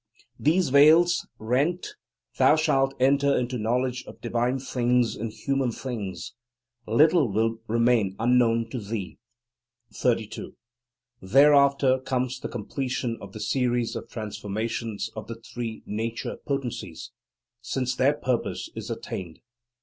These veils rent, thou shalt enter into knowledge of divine things and human things. Little will remain unknown to thee. 32. Thereafter comes the completion of the series of transformations of the three nature potencies, since their purpose is attained.